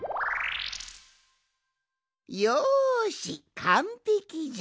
よしかんぺきじゃ！